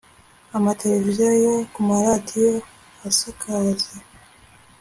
amateleviziyo nu ku maradio asakaze